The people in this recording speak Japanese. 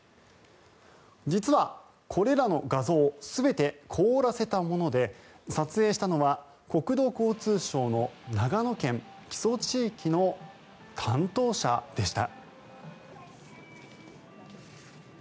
実は、これらの画像全て凍らせたもので撮影したのは国土交通省の長野県木曽地域の担当者でした。